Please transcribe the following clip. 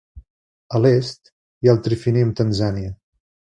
A l'est hi ha el trifini amb Tanzània.